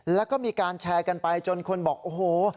แล้วก็มีการแชร์กันไปจนคนบอกโอ้โห